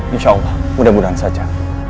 insya allah mudah mudahan saja